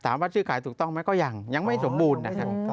ถามว่าชื่อขายถูกต้องไหมก็ยังยังไม่สมบูรณ์